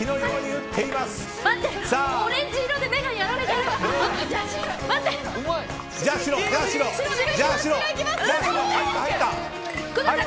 待って、オレンジ色で目がやられてる。